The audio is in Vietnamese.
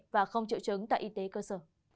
và không triệu chứng tại y tế cơ sở